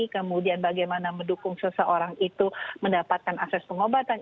kemudian bagaimana mendukung seseorang itu mendapatkan akses pengobatan